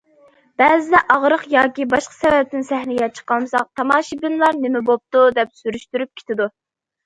بەزىدە ئاغرىق ياكى باشقا سەۋەبتىن سەھنىگە چىقالمىساق، تاماشىبىنلار‹‹ نېمە بوپتۇ›› دەپ سۈرۈشتۈرۈپ كېتىدۇ.